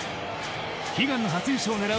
悲願の初優勝を狙う